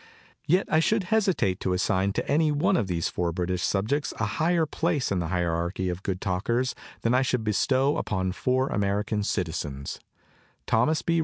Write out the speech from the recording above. Yet I should hesitate to assign to any one of these four British subjects a higher place in the hierarchy of good talkers than I should bestow upon four American citizens, Thomas B.